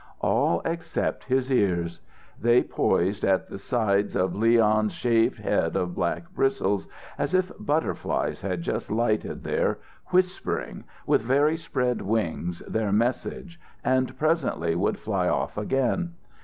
All except his ears. They poised at the sides of Leon's shaved head of black bristles, as if butterflies had just lighted there, whispering, with very spread wings, their message, and presently would fly off again.